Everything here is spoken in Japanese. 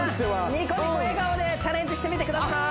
ニコニコ笑顔でチャレンジしてみてください